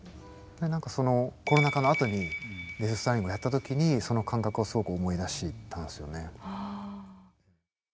コロナ禍のあとに「デス・ストランディング」をやった時にその感覚をすごく思い出したんですよね。